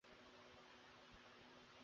তিনি তিব্বত ত্যাগ করে কাশ্মীর চলে যান।